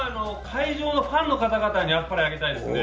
会場のファンの方々にあっぱれあげたいですね。